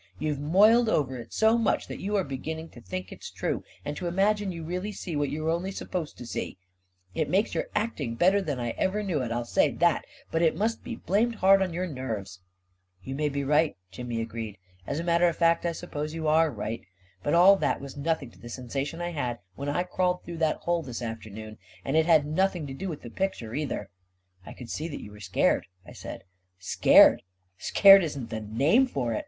You've moiled over it so much that you are beginning to think it's true, and to imagine you*really see what you are only supposed to seel It makes your act ing better than I ever knew it — I'll say that — but it must be blamed hard on your nerves !"" You may be right," Jimmy agreed. " As a mat ter of fact, I suppose you are right. But all that was nothing to the sensation I had when I crawled through that hole this afternoon — and it had noth ing to do with the picture, either 1 " 14 1 could see that you were scared," I said. 11 Scared ! Scared isn't the name for it.